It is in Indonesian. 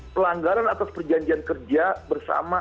pelanggaran atas perjanjian kerja bersama